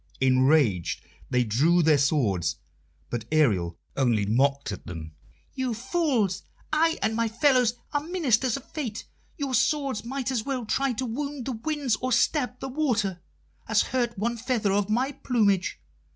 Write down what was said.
Enraged, they drew their swords, but Ariel only mocked at them. "You fools! I and my fellows are ministers of Fate. Your swords might as well try to wound the winds or stab the water, as hurt one feather of my plumage.